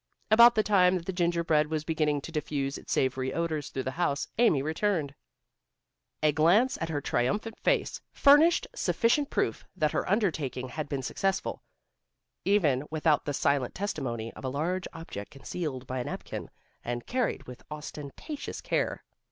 About the time that the gingerbread was beginning to diffuse its savory odors through the house, Amy returned. A glance at her triumphant face furnished sufficient proof that her undertaking had been successful, even without the silent testimony of a large object concealed by a napkin, and carried with ostentatious care.